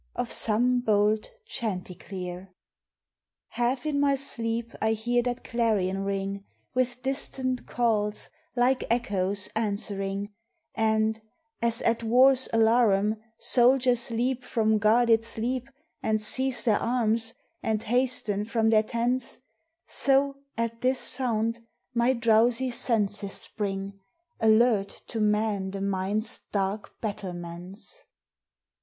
of some bold chanticleer. (Half in my sleep I hear that clarion ring, With distant calls, like echoes, answering; And, as at war's alarum, soldiers leap From guarded sleep And seize their arms, and hasten from their tents, So, at this sound, my drowsy senses spring, Alert to man the mind's dark battlements.)